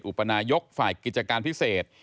โดยนายพัฒนาจาติเกษอุปนายกฝ่ายกิจการพิเศษ